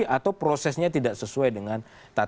atau prosesnya tidak sesuai dengan tata